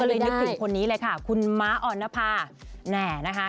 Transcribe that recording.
เลยนึกถึงคนนี้เลยค่ะคุณม้าออนภาแหม่นะคะ